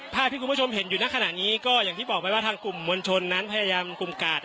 ภาพที่คุณผู้ชมเห็นอยู่ในขณะนี้ก็อย่างที่บอกไปว่าทางกลุ่มมวลชนนั้นพยายามกลุ่มกาด